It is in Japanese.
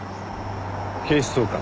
警視総監？